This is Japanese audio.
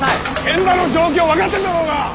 現場の状況分かってんだろうが！